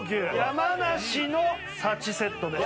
山梨の幸セットです